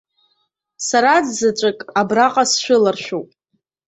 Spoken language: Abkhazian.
Сараӡәзаҵәык абраҟа сшәыларшәуп.